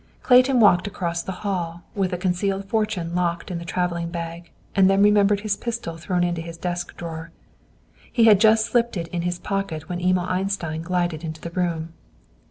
Clayton walked across the hall, with the concealed fortune locked in the travelling bag, and then remembered his pistol thrown into his desk drawer. He had just slipped it in his pocket when Emil Einstein glided into the room.